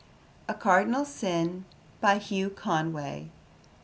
A Cardinal Sin. By Hugh Conway.